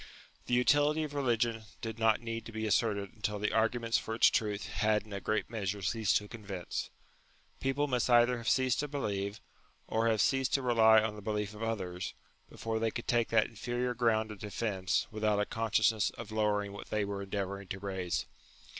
The utility of religion did not need to be asserted until the arguments for its truth had in a great measure ceased to convince. People must either have ceased to believe, or have ceased to rely on the belief of others, before they could take that inferior ground of defence without a consciousness of lowering what they were endeavouring to raise.